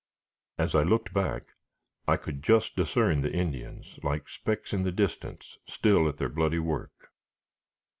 As I looked back, I could just discern the Indians, like specks in the distance, still at their bloody work.